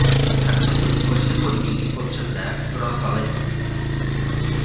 Takto se utvořily podmínky potřebné pro zalednění.